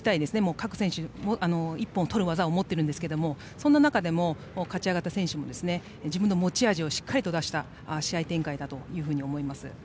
各選手、一本をとる技を持っているんですけれどもそんな中でも勝ち上がった選手も自分の持ち味をしっかり出した試合展開だと思います。